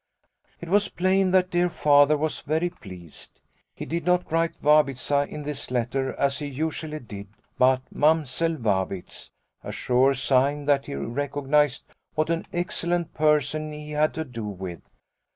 " It was plain that dear Father was very pleased. He did not write ' Vabitza ' in this letter as he usually did, but Mamsell Vabitz a sure sign that he recognised what an excellent person he had to do with.